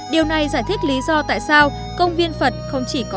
điều này giải thích lý do tại sao công viên phật không chỉ có